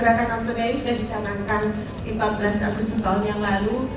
gerakan autori sudah dicanangkan empat belas agustus tahun yang lalu